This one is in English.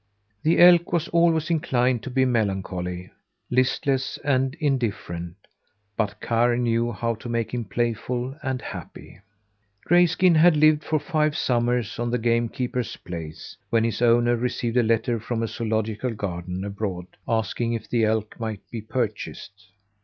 The elk was always inclined to be melancholy, listless, and, indifferent, but Karr knew how to make him playful and happy. Grayskin had lived for five summers on the game keeper's place, when his owner received a letter from a zoölogical garden abroad asking if the elk might be purchased.